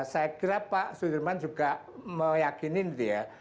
saya kira pak sudirman juga meyakini gitu ya